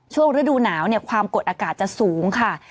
ฤดูหนาวความกดอากาศจะสูงค่ะ